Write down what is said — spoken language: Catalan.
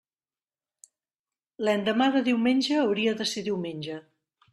L'endemà de diumenge hauria de ser diumenge.